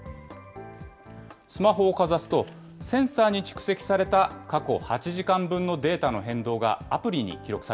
スマホをかざすと、センサーに蓄積された過去８時間分のデータの変動がアプリに記録